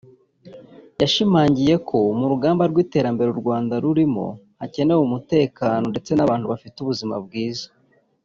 yashimangiye ko mu rugamba rw’iterambere u Rwanda rurimo hakenewe umutekano ndetse n’abantu bafite ubuzima bwiza